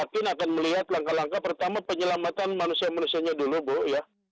saya yakin akan melihat langkah langkah pertama penyelamatan manusia manusianya dulu bu ya